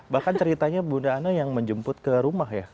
bahkan ceritanya bunda ana yang menjemput ke rumah ya